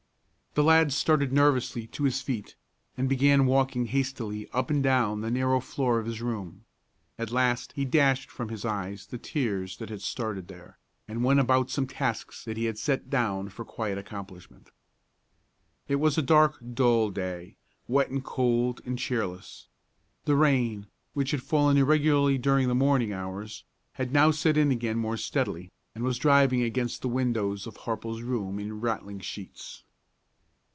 The lad started nervously to his feet, and began walking hastily up and down the narrow floor of his room. At last he dashed from his eyes the tears that had started there, and went about some tasks that he had set down for quiet accomplishment. It was a dark, dull day, wet and cold and cheerless. The rain, which had fallen irregularly during the morning hours, had now set in again more steadily, and was driving against the windows of Harple's room in rattling sheets.